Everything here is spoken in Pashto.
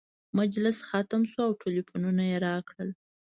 مجلس ختم شو او ټلفونونه یې راکړل.